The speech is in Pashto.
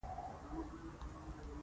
قابله د تعقیم شرایط مراعات نه کړي.